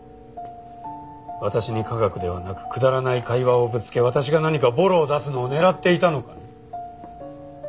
私に科学ではなくくだらない会話をぶつけ私が何かボロを出すのを狙っていたのかね？